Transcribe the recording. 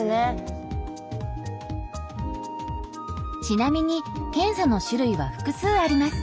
ちなみに検査の種類は複数あります。